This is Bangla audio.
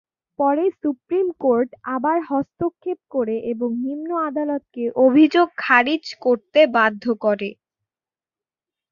পরে সুপ্রিম কোর্ট আবার হস্তক্ষেপ করে এবং নিম্ন আদালতকে অভিযোগ খারিজ করতে বাধ্য করে।